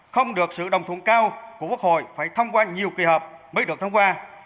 không được sự đồng thuận cao của quốc hội phải thông qua nhiều kỳ họp mới được thông qua